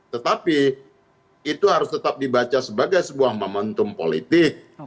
tetapi itu harus tetap dibaca sebagai sebuah momentum politik